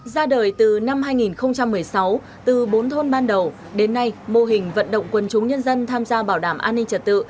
ra đời từ năm hai nghìn một mươi sáu từ bốn thôn ban đầu đến nay mô hình vận động quân chúng nhân dân tham gia bảo đảm an ninh trật tự